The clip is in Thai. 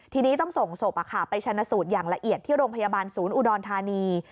ทีนี้ต้องส่งศพไปชนะสูตรอย่างละเอียดที่โรงพยาบาลศูนย์อุดรธานี